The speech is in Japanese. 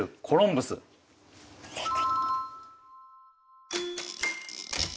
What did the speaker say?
正解！